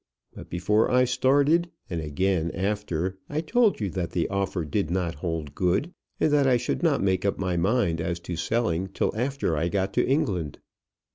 But before I started, and again after, I told you that the offer did not hold good, and that I should not make up my mind as to selling till after I got to England."